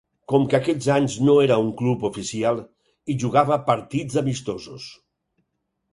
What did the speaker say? Com que aquells anys no era un club oficial, hi jugava partits amistosos.